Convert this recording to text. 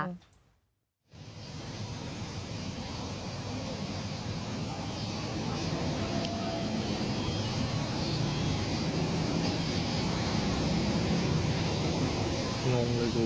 เออ